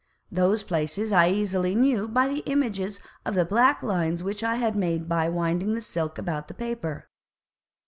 Those Places I easily knew by the Images of the black Lines which I had made by winding the Silk about the Paper.